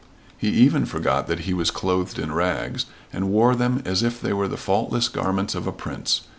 He even forgot that he was clothed in rags, and wore them as if they were the faultless garments of a prince.